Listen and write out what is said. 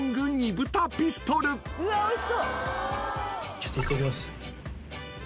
ちょっといただきます。